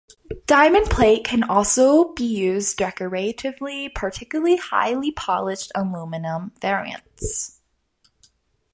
Diamond plate can also be used decoratively, particularly highly polished aluminum variants.